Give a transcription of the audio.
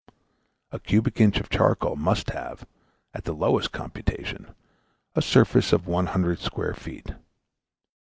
A cubic inch of charcoal must have, at the lowest computation, a surface of one hundred square feet.